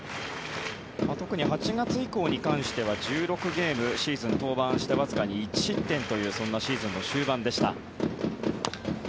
特に８月以降に関しては１６ゲームシーズン登板してわずかに１失点というシーズンの終盤でした。